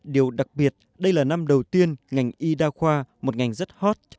điều đặc biệt đây là năm đầu tiên ngành y đa khoa một ngành rất hot